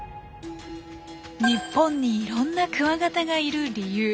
日本にいろんなクワガタがいる理由。